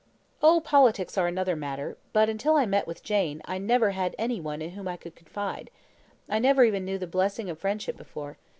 "Oh, politics are another matter; but until I met with Jane, I never had any one in whom I could confide I never even knew the blessing of friendship before.